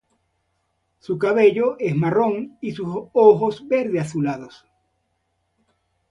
Su cabello es marrón y sus ojos verde-azulados.